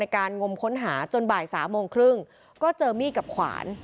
การงมค้นหาจนบ่าย๓โมงครึ่งก็เจอมีดกับขวาน